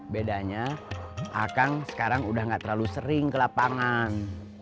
bedanya akang sekarang udah gak terlalu sering ke lapangan